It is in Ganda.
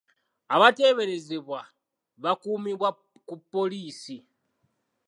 Abateeberezebwa bakuumibwa ku poliisi.